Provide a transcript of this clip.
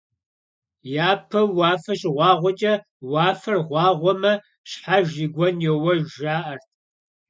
Япэу уафэ щыгъуагъуэкӀэ, «Уафэр гъуагъуэмэ, щхьэж и гуэн йоуэж» жаӀэрт.